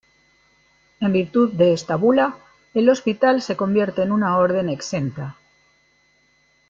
En virtud de esta bula el Hospital se convierte en una Orden exenta.